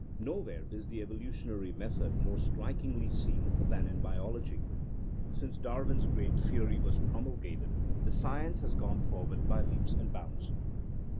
Nowhere is the evolutionary method more strikingly seen than in biology. Since Dar win's great theory was promulgated the science has gone forward by leaps and bounds.